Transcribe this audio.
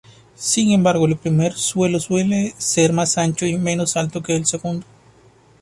Sin embargo, el primero suele ser más ancho y menos alto que el segundo.